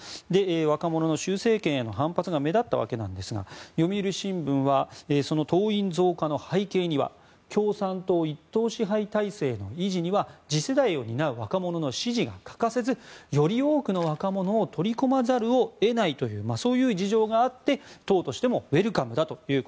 若者の習政権への反発が目立ったわけなんですが読売新聞はその党員増加の背景には共産党一党支配体制の維持には次世代を担う若者の支持が欠かせずより多くの若者を取り込まざるを得ないという事情があって党としてもウェルカムだと。